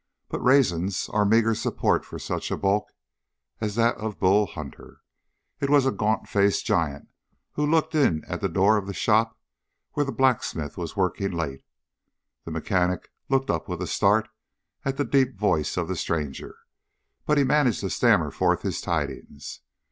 But raisins are meager support for such a bulk as that of Bull Hunter. It was a gaunt faced giant who looked in at the door of the shop where the blacksmith was working late. The mechanic looked up with a start at the deep voice of the stranger, but he managed to stammer forth his tidings.